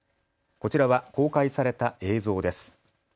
こちらは公開された映像です。